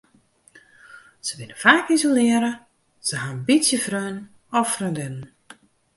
Se binne faak isolearre, se ha in bytsje freonen of freondinnen.